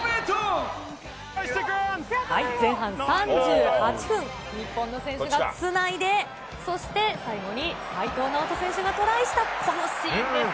前半３８分、日本の選手が繋いで、そして、齋藤直人選手がトライした、このシーンです。